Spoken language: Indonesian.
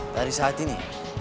dari saat ini